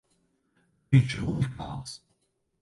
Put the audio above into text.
Viņš ir unikāls!